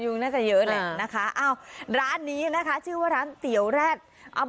ยุ่งน่าจะเยอะแหละนะครับอ้าวร้านนี้นะคะชื่อว่าร้างเสี่ยวแรดอ้าบ